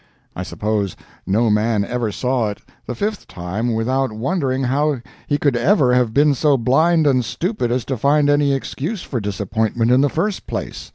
I suppose no man ever saw it the fifth time without wondering how he could ever have been so blind and stupid as to find any excuse for disappointment in the first place.